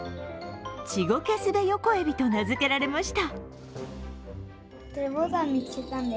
チゴケスベヨコエビと名付けられました。